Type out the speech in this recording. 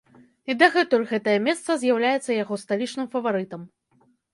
І дагэтуль гэтае месца з'яўляецца яго сталічным фаварытам.